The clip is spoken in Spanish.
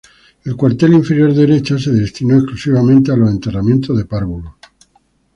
El cuartel inferior derecha se destinó exclusivamente a los enterramientos de párvulos.